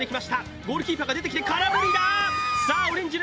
ゴールキーパーが出てきて空振りだ。